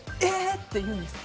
って言うんですか？